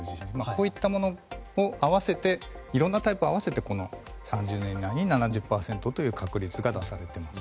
こういったものを合わせていろいろなタイプを合わせて３０年以内に７０％という確率が出されています。